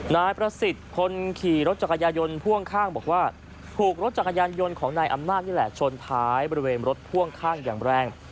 นายประสิทธิ์คนขี่รถจักรยายนต์พ่วงข้างบอกว่าถูกรถจักรยานยนต์ของนายอำนาจนี่แหละชนท้ายบริเวณรถพ่วงข้างอย่างแรง